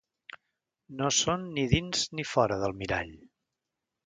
No són ni dins ni fora del mirall.